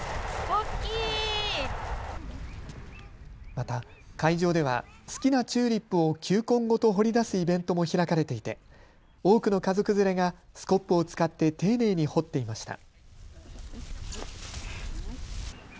また会場では好きなチューリップを球根ごと掘り出すイベントも開かれていて多くの家族連れがスコップを使って丁寧に掘っていました。